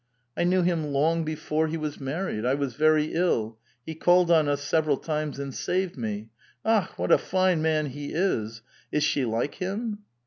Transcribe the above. *'I knew him long before he was married. I was very ill; he called on us several times, and saved me. Akh! what a fine man he is ! Is she like him